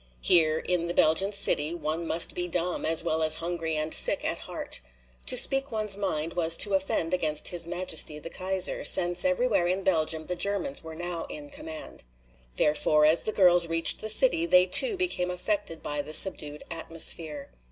Here in the Belgian city one must be dumb, as well as hungry and sick at heart. To speak one's mind was to offend against His Majesty, the Kaiser, since everywhere in Belgium the Germans were now in command. Therefore, as the girls reached the city they too became affected by the subdued atmosphere.